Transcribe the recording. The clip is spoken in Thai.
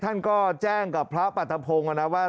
ท่านก็แจ้งกับพระปรัฐพงศ์นะว่า